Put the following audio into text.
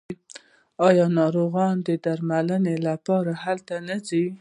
آیا ناروغان د درملنې لپاره هلته نه ځي؟